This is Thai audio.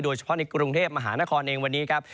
เฉพาะในกรุงเทพมหานครเองวันนี้ครับ